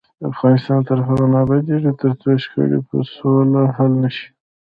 افغانستان تر هغو نه ابادیږي، ترڅو شخړې په سوله حل نشي.